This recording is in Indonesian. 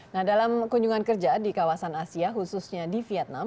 nah dalam kunjungan kerja di kawasan asia khususnya di vietnam